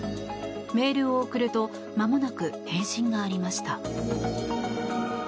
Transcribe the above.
メールを送るとまもなく返信がありました。